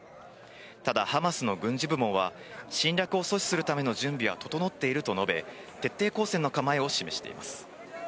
ただ、ハマスの軍事部門は侵略を阻止するための準備は整っていると述べ、徹底抗戦の構えを示しています。